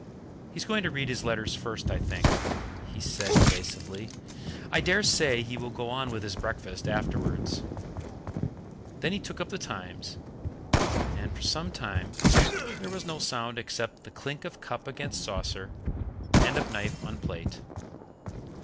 "He's going to read his letters first, I think," he said evasively; "I dare say he will go on with his breakfast afterwards." Then he took up the TIMES, and for some time there was no sound except the clink of cup against saucer and of knife on plate.